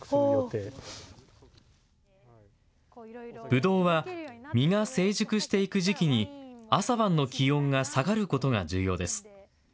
ぶどうは実が成熟していく時期に朝晩の気温が下がることが重要です。